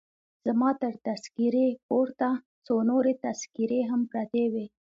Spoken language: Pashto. زما تر تذکیرې پورته څو نورې تذکیرې هم پرتې وې.